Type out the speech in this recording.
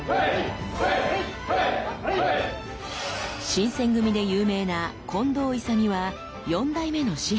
新選組で有名な近藤勇は４代目の師範。